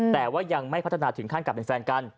แต่ว่ายังไม่พัฒนาถึงขั้นกลับเป็นแฟนกัน